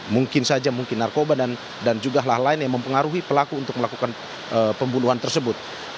mungkin saja mungkin narkoba dan juga hal lain yang mempengaruhi pelaku untuk melakukan pembunuhan tersebut